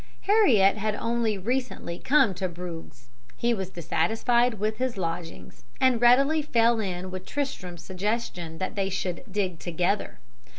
"Heriot had only recently come to Bruges; he was dissatisfied with his lodgings, and readily fell in with Tristram's suggestion that they should 'dig' together.